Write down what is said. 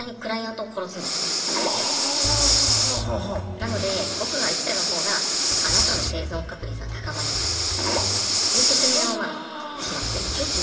なので僕が生きてたほうがあなたの生存確率は高まりますという説明をまあしますね。